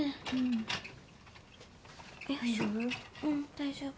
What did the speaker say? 大丈夫？